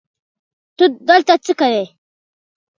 ته دلته څه کوې؟